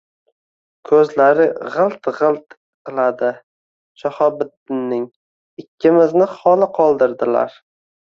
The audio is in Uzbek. Koʼzlari gʼilt-gʼilt qiladi Shahobiddinning. Ikkimizni xoli qoldirdilar.